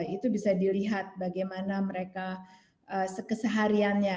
itu bisa dilihat bagaimana mereka kesehariannya